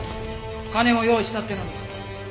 金も用意したっていうのに。